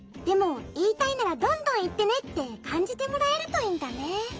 でもいいたいならどんどんいってね」ってかんじてもらえるといいんだね。